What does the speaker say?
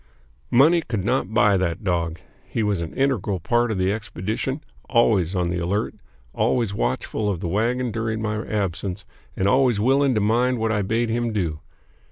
Money could not buy that dog. He was an integral part of the expedition: always on the alert; always watchful of the wagon during my absence, and always willing to mind what I bade him do.